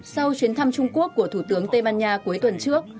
sau chuyến thăm trung quốc của thủ tướng tây ban nha cuối tuần trước